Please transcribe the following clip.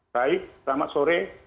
baik selamat sore